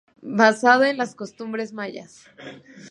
Basado en las costumbres mayas.